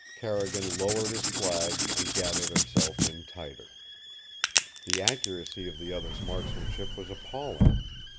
Carrigan lowered his flag and gathered himself in tighter. The accuracy of the other's marksmanship was appalling.